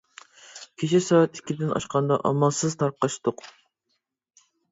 كېچە سائەت ئىككىدىن ئاشقاندا ئامالسىز تارقاشتۇق.